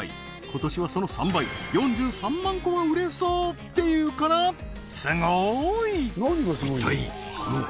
今年はその３倍４３万個は売れそう！っていうからすごい！